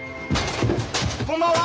・こんばんは！